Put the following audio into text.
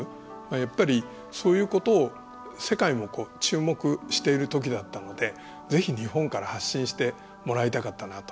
やっぱり、そういうことを世界も注目しているときだったのでぜひ、日本から発信してもらいたかったなと。